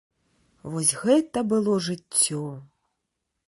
Вось гэта было жыццё!